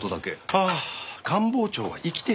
ああ官房長は生きてるので。